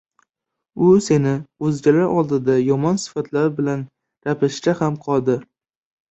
u seni o‘zgalar oldida yomon sifatlar bilan gapirishga ham qodir.